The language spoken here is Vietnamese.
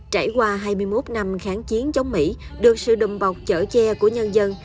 trải qua hai mươi một năm kháng chiến chống mỹ được sự đùm bọc chở che của nhân dân